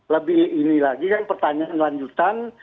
lebih ini lagi kan pertanyaan lanjutan